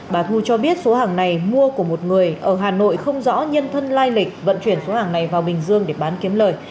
bà thu cho biết số hàng này mua của một người ở hà nội không rõ nhân thân lai lịch vận chuyển số hàng này vào bình dương để bán kiếm lời